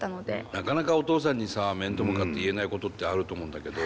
なかなかお父さんに面と向かって言えないことってあると思うんだけど。